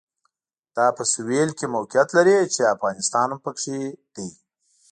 دا په سوېل کې موقعیت لري چې افغانستان هم پکې دی.